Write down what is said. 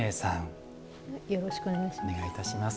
よろしくお願いします。